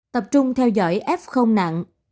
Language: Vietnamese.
tập trung theo dõi f nặng